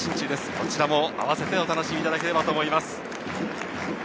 こちらも併せてご覧いただければと思います。